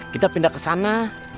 kita pindah kesana